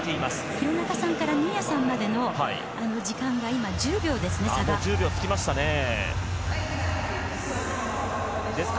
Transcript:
廣中さんから新谷さんまでの時間が今１０秒差ですね。